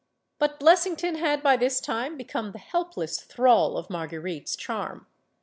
But Blesslngton had by this time become the helpless thrall of Marguerite's charm.